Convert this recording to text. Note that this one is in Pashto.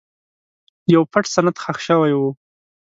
یو پټ سند ښخ شوی و.